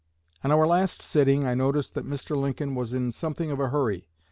On our last sitting I noticed that Mr. Lincoln was in something of a hurry.